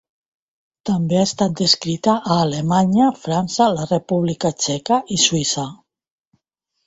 També ha estat descrita a Alemanya, França, la República Txeca i Suïssa.